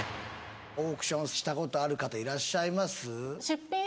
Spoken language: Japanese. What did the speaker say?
オークションしたことある方いらっしゃいます？